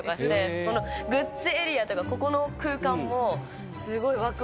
グッズエリアとかここの空間もすごいわくわくする。